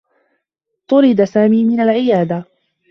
طُريد سامي من العيادة.